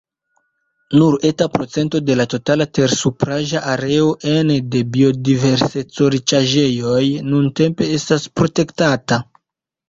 Nur eta procento de la totala tersupraĵa areo ene de biodiverseco-riĉaĵejoj nuntempe estas protektata.